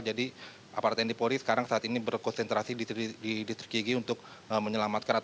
jadi apart tni polri sekarang saat ini berkonsentrasi di distrik yigi untuk menyelamatkan